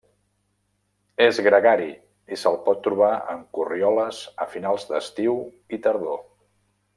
És gregari i se'l pot trobar en corrioles a finals d'estiu i tardor.